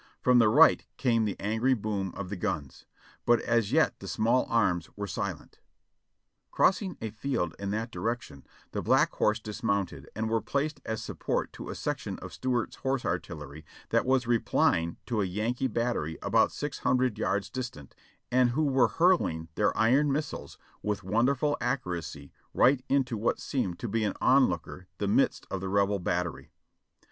From the right came the angry boom of the guns; but as yet the small arms were silent. Crossing a field in that direction, the Black Horse dismounted and were placed as sup port to a section of Stuart's horse artillery that was replying to a Yankee battery about six hundred yards distant, and who were hurling their iron missiles with wonderful accuracy right into what seemed to an onlooker the midst of the Rebel battery.